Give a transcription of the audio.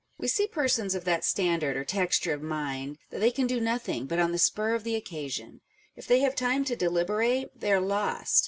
We see persons of that standard or texture of mind that they can do nothing, but on the spur of the occasion : if they have time to deliberate, they are lost.